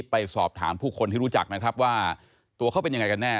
ไปสอบถามผู้คนที่รู้จักนะครับว่าตัวเขาเป็นยังไงกันแน่